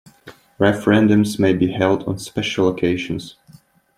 Referendums may be held on special occasions.